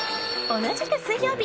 同じく水曜日。